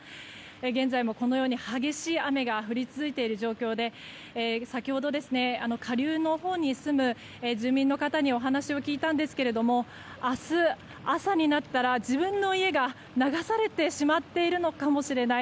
現在も、このように激しい雨が降り続いている状況で先ほど下流のほうに住む住民の方にお話を聞いたんですが明日朝になったら自分の家が流されてしまっているのかもしれない。